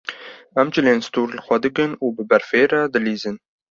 Em cilên stûr li xwe dikin û bi berfê dilîzin.